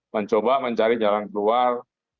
mencoba mencari jalan keluar